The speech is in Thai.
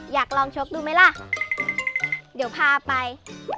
อยากลองชกดูไหมล่ะเดี๋ยวพาไป